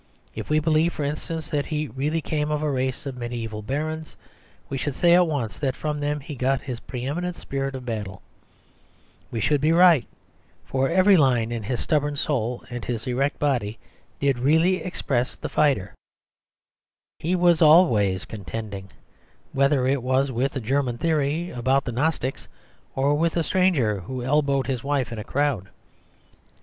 If we believed, for instance, that he really came of a race of mediæval barons, we should say at once that from them he got his pre eminent spirit of battle: we should be right, for every line in his stubborn soul and his erect body did really express the fighter; he was always contending, whether it was with a German theory about the Gnostics, or with a stranger who elbowed his wife in a crowd.